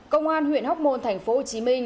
công an huyện hóc môn tp hcm